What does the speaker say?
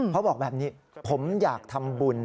บอกแบบนี้ผมอยากทำบุญ